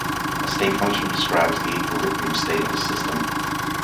A state function describes the equilibrium state of a system.